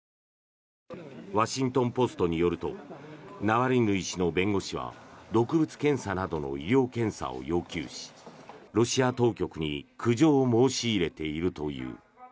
ワシントン・ポストによるとナワリヌイ氏の弁護士は毒物検査などの医療検査を要求しロシア当局に苦情を申し入れているという。